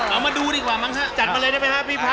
เอามาดูดีกว่าจัดมาเลยได้ไหมฮะพี่พัฒน์